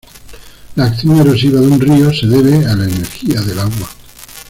La acción erosiva de un río se debe a la energía del agua.